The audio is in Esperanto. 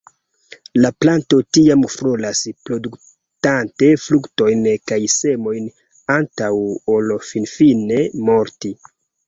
La planto tiam floras, produktante fruktojn kaj semojn antaŭ ol finfine morti.